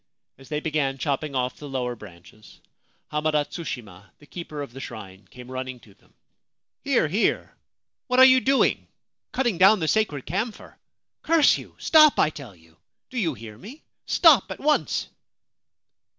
As they began chopping off the lower branches, Hamada Tsushima, the keeper of the shrine, came running to them. ' Here, here ! What are you doing ? Cutting down the sacred camphor ? Curse you ! Stop, I tell you ! Do you hear me ? Stop at once